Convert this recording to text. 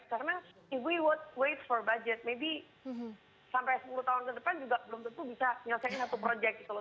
karena if we would wait for budget maybe sampai sepuluh tahun ke depan juga belum tentu bisa menyelesaikan satu project gitu loh